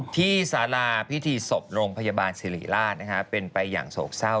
ที่สาราพิธีศพโรงพยาบาลสิริราชเป็นไปอย่างโศกเศร้า